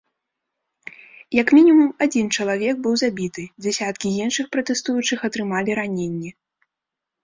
Як мінімум адзін чалавек быў забіты, дзясяткі іншых пратэстуючых атрымалі раненні.